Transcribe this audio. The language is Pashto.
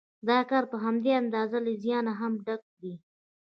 دا کار پر همدې اندازه له زیانه هم ډک دی